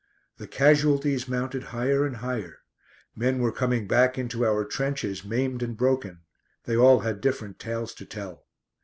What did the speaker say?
The casualties mounted higher and higher. Men were coming back into our trenches maimed and broken; they all had different tales to tell.